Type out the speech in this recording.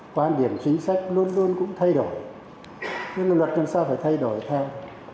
quan điểm chính sách luôn luôn cũng thay đổi nhưng mà luật làm sao phải thay đổi theo